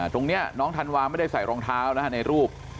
ตรงนี้น้องธันวาไม่ได้ใส่รองเท้าในรูป